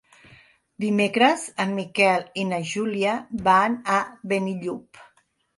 Dimecres en Miquel i na Júlia van a Benillup.